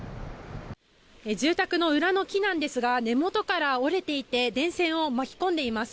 住宅の裏の木なんですが根元から折れていて電線を巻き込んでいます。